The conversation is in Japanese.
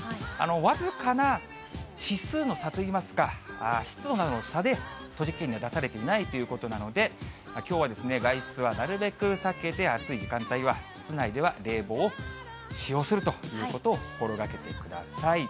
僅かな指数の差といいますか、湿度などの差で、栃木県には出されていないということですので、きょうはですね、外出はなるべく避けて、暑い時間帯は室内では冷房を使用するということを心がけてください。